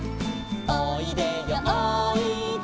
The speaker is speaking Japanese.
「おいでよおいで」